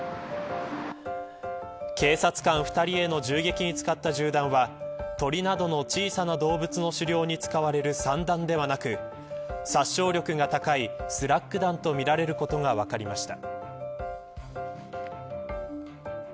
警察官２人への銃撃に使った銃弾は鶏などの小さな動物の狩猟に使われる散弾ではなく殺傷力が高いスラッグ弾とみられることが分かりました。